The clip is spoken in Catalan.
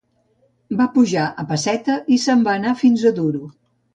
Va pujar a pesseta i se'n va anar fins a duro.